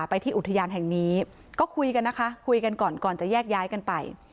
ไปที่อุทยานแห่งนี้ก็คุยกันนะคะคุยกันก่อนก่อนจะแยกย้ายกันไป